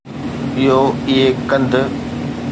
اهو آهي ڪنڌ